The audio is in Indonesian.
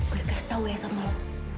gue kasih tau ya sama lo